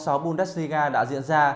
vòng sáu bundesliga đã diễn ra